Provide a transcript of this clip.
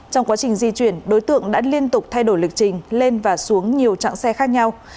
trong quá trình di chuyển đối tượng đã liên tục thay đổi lịch trình lên và xuống nhiều chặng xe khác nhau